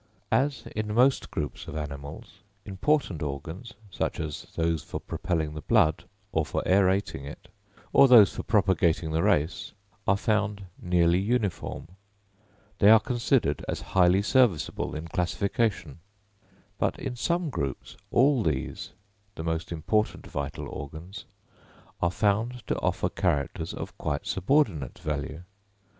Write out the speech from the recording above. As in most groups of animals, important organs, such as those for propelling the blood, or for aerating it, or those for propagating the race, are found nearly uniform, they are considered as highly serviceable in classification; but in some groups all these, the most important vital organs, are found to offer characters of quite subordinate value.